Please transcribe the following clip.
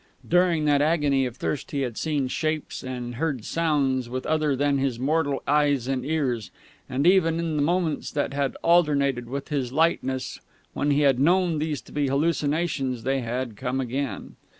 During that agony of thirst he had seen shapes and heard sounds with other than his mortal eyes and ears, and even in the moments that had alternated with his lightness, when he had known these to be hallucinations, they had come again.